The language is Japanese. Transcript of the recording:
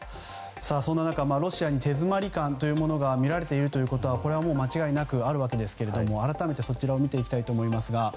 そんな中、ロシア軍に手詰まり感がみられることは間違いなくあるわけですが改めて、そちらを見ていきたいと思います。